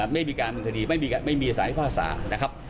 ไม่มีการบินคดีไม่มีสายภาษานะครับ